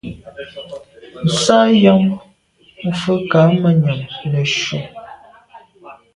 Nsa yàm mfe kamànyam neshu.